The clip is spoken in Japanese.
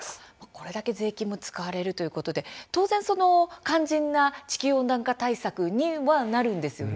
これだけ税金も使われるということで当然、肝心の地球温暖化対策にはなるんですよね。